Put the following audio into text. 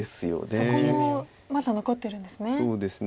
そこもまだ残ってるんですね。